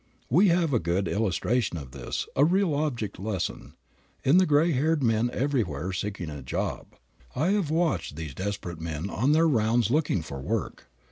We have a good illustration of this, a real object lesson, in the grayhaired men everywhere seeking a job. I have watched these desperate men on their rounds looking for work.